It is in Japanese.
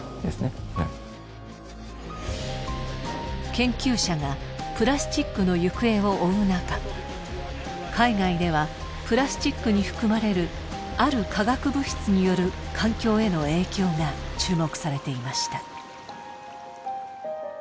研究者がプラスチックの行方を追うなか海外ではプラスチックに含まれるある化学物質による環境への影響が注目されていました。